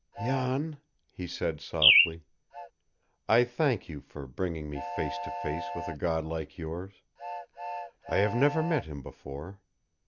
"Jan," he said softly, "I thank you for bringing me face to face with a God like yours. I have never met Him before.